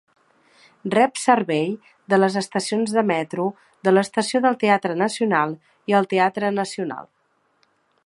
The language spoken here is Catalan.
Rep servei de les estacions de metro de l'Estació del Teatre Nacional i el Teatre Nacional.